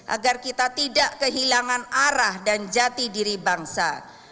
agar kita tidak kehilangan arah dan jati diri bangsa